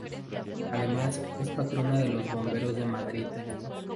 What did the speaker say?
Además, es patrona de los bomberos de Madrid.